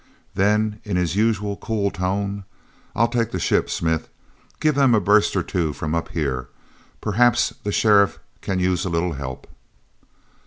Then, in his usual cool tone: "I'll take the ship, Smith. Give then a burst or two from up here—perhaps the sheriff can use a little help."